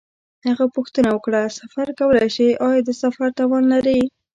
هغه پوښتنه وکړه: سفر کولای شې؟ آیا د سفر توان لرې؟